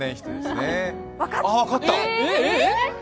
あ、分かった！